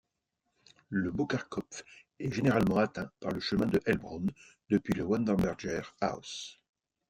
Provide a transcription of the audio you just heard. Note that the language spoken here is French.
Le Bockkarkopf est généralement atteint par le chemin de Heilbronn, depuis le Waltenberger-Haus.